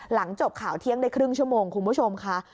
หลังจบข่าวเที่ยงได้ครึ่งชั่วโมงคุณผู้ชมค่ะ